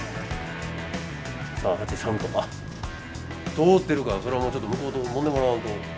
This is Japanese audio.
どう出るかそれはもうちょっと向こうともんでもらわんと。